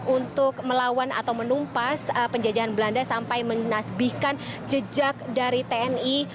untuk melawan atau menumpas penjajahan belanda sampai menasbihkan jejak dari tni